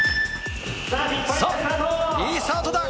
いいスタートだ。